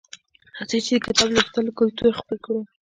راځئ چې د کتاب لوستلو کلتور خپل کړو